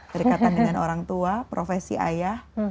berikatan dengan orang tua profesi ayah